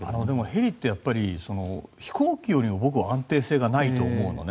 ヘリって飛行機よりも安定性がないと思うのね。